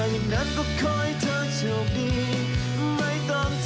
โปรดติดตามตอนต่อไป